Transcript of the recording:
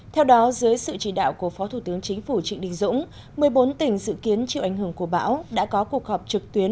theo đó dưới sự chỉ đạo của phó thủ tướng chính phủ trịnh đình dũng một mươi bốn tỉnh dự kiến chịu ảnh hưởng của bão đã có cuộc họp trực tuyến